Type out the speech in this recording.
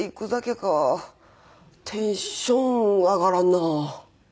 テンション上がらんなあ。